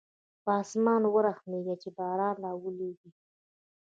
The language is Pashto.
په اسمان ورحمېږه چې باران راولېږي.